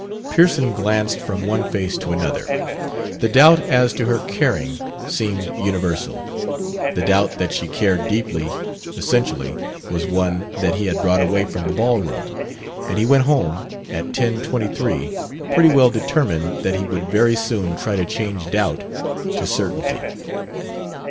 Pearson glanced from one face to another. The doubt as to her "caring" seemed universal. The doubt that she cared deeply, essentially, was one that he had brought away from the ball room. And he went home, at ten twenty three, pretty well determined that he would very soon try to change doubt to certainty.